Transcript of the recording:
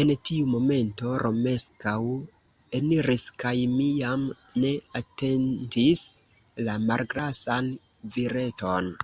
En tiu momento Romeskaŭ eniris kaj mi jam ne atentis la malgrasan vireton.